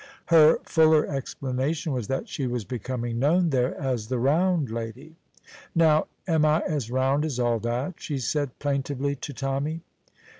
Her fuller explanation was that she was becoming known there as the round lady. "Now, am I as round as all that?" she said plaintively to Tommy.